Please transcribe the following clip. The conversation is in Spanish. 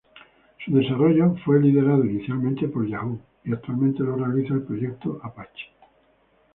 Su desarrollo fue liderado inicialmente por Yahoo y actualmente lo realiza el proyecto Apache.